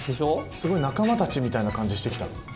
すごい仲間たちみたいな感じしてきた。